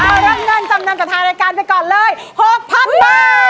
เอารับเงินจำนำกับทางรายการไปก่อนเลย๖๐๐๐บาท